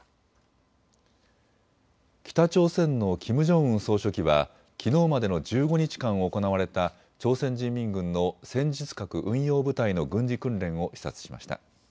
北朝鮮のキム・ジョンウン総書記はきのうまでの１５日間行われた朝鮮人民軍の戦術核運用部隊の軍事訓練を視察しました。